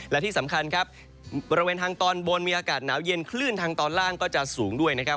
และที่สำคัญครับบริเวณทางตอนบนมีอากาศหนาวเย็นคลื่นทางตอนล่างก็จะสูงด้วยนะครับ